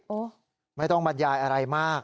โอ๊ยไม่ต้องบัญญาณอะไรมาก